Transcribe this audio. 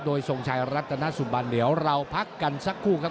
โดยทรงชัยรัตนสุบันเดี๋ยวเราพักกันสักครู่ครับ